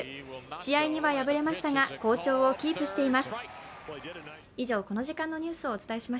試合には敗れましたが好調をキープしています。